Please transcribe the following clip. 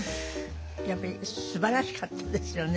やっぱりすばらしかったですよね。